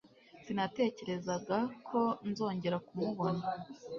Sinatekerezaga ko nzongera kumubona.